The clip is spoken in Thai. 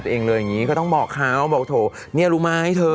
ใช่ฟังเลยอย่างนี้ก็ต้องบอกเขาบอกโถเนี่ยรุมะให้เธอ